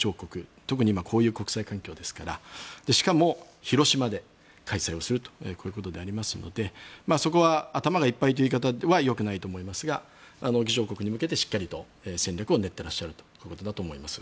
特に今こういう国際環境ですからしかも広島で開催をするとこういうことでありますのでそこは頭がいっぱいという言い方はよくないと思いますが議長国に向けてしっかりと戦略を練っていらっしゃるかなと思います。